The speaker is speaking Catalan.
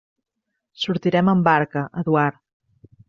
Sortirem amb barca, Eduard.